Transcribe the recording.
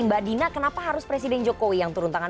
mbak dina kenapa harus presiden jokowi yang turun tangan